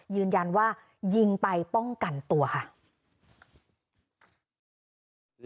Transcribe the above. ยืนยันว่ายิงไปป้องกันตัวค่ะ